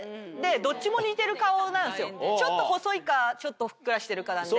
ちょっと細いかちょっとふっくらしてるかなんで。